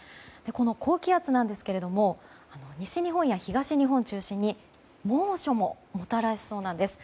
この高気圧なんですけれども西日本や東日本を中心に猛暑ももたらしそうなんです。